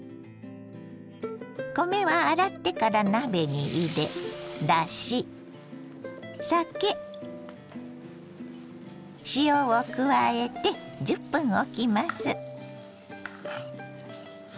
米は洗ってから鍋に入れだし酒塩を加えて１０分おきます。